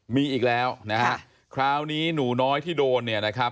มีอีกแล้วคราวนี้หนูน้อยที่โดน